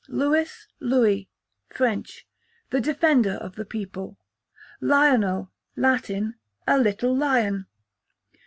Lewis / Louis, French, the defender of the people. Lionel, Latin, a little lion.